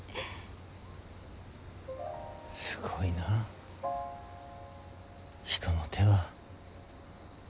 すごいな人の手は。